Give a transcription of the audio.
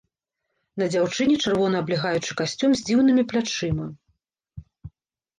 На дзяўчыне чырвоны аблягаючы касцюм з дзіўнымі плячыма.